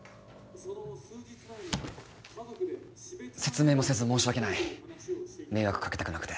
説明もせず申し訳ない迷惑掛けたくなくて。